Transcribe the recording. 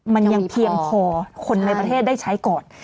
มันยังเพียงพอคนในประเทศได้ใช้ก่อน